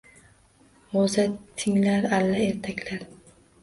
G‘o‘za tinglar alla, ertaklar.